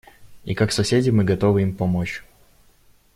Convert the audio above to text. И как соседи мы готовы им помочь.